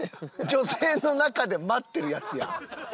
女性の中で待ってるヤツやん。